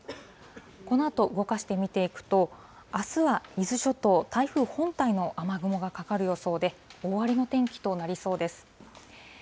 このあと動かして見ていくと、あすは伊豆諸島、台風本体の雨雲がかかる予想で、大荒れの天気となりそうです。